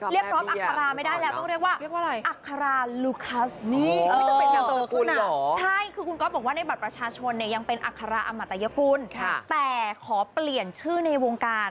เรียกพร้อมอัคคาราไม่ได้แล้วต้องเรียกว่า